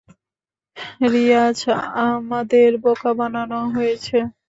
রিয়াজ, আমাদের বোকা বানানো হয়েছে।